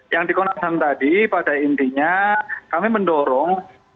yang di komnas ham tadi pada intinya kami mendorong